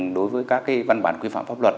đối với các văn bản quy phạm pháp luật